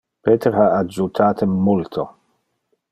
Peter ha adjutate multo.